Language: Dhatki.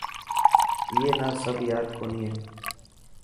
اي نا سب ياد ڪوني هي.